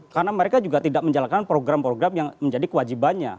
karena mereka juga tidak menjalankan program program yang menjadi kewajibannya